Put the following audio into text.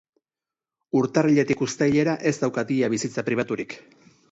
Urtarriletik uztailera ez daukat ia bizitza pribaturik.